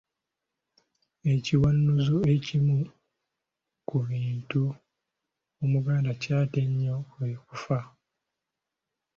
Ekiwanuuzo ekimu ku bintu Omuganda kyatya ennyo kwe kufa.